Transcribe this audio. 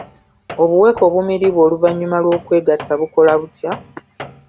Obuweke obumiribwa oluvannyuma lw'okwegatta bukola butya?